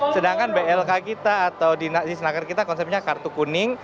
sedangkan blk kita atau dinas naker kita konsepnya kartu kuning